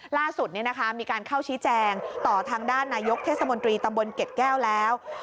ล่าสุดมีการเข้าชี้แจงต่อทางด้านนายกเทศมนตรีตำบลเกร็ดแก้วแล้ว